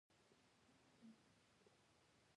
تالابونه د خلکو له اعتقاداتو سره نږدې تړاو لري.